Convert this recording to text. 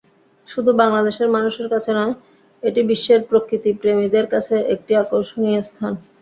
শুধু বাংলাদেশের মানুষের কাছে নয়, এটি বিশ্বের প্রকৃতিপ্রেমীদের কাছে একটি আকর্ষণীয় স্থান।